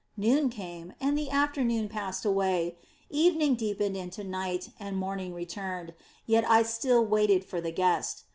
Noon came, the afternoon passed away, evening deepened into night, and morning returned, yet I still waited for the guest.